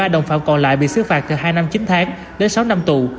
một mươi ba đồng phạm còn lại bị xứ phạt từ hai năm chín tháng đến sáu năm tù